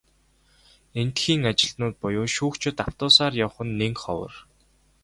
Эндэхийн ажилтнууд буюу шүүгчид автобусаар явах нь нэн ховор.